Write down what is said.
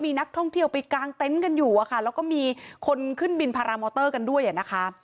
มีนักท่องเที่ยวไปกางเต็นต์กันอยู่อะค่ะแล้วก็มีคนขึ้นบินพารามอเตอร์กันด้วยนะคะ